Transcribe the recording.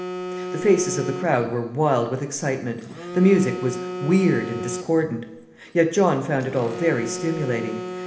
The faces of the crowd were wild with excitement. The music was weird and discordant. Yet John found it all very stimulating.